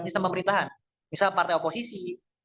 sistem pemerintahan misal partai oposisi